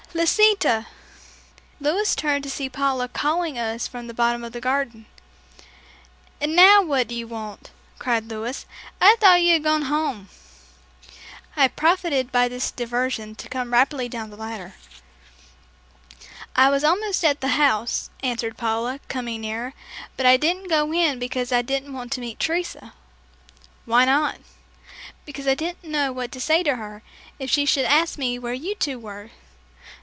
Lisita!" Louis turned to see Paula calling us from the bottom of the garden. "And now what do you want?" cried Louis. "I thought you had gone home." I profited by this diversion to come rapidly down the ladder. "I was almost at the house," answered Paula, coming nearer, "but I didn't go in because I didn't want to meet Teresa." "Why not?" "Because I didn't know what to say to her, if she should ask me where you two were."